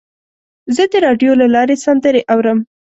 زه د راډیو له لارې سندرې اورم.